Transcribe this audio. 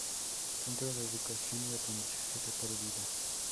Centro de Educación y Aprendizaje de por Vida.